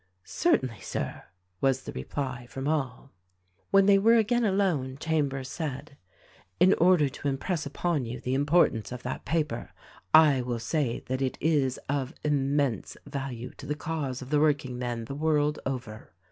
"Certainly, Sir," was the reply from all. When they were again alone Chambers said, "In order to impress upon you the importance of that paper I will say that it is of immense value to the cause of the workingmen the world over.